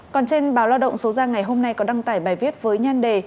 còn trên báo lao động số ra ngày hôm nay có đăng tải bài viết với nhan đề